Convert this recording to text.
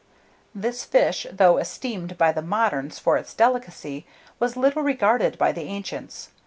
This fish, though esteemed by the moderns for its delicacy, was little regarded by the ancients.